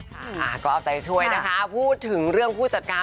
อ่าก็เอาใจช่วยนะคะพูดถึงเรื่องผู้จัดการ